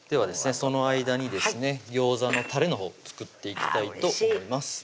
その間にですねギョーザのたれのほう作っていきたいと思います